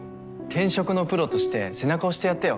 転職のプロとして背中押してやってよ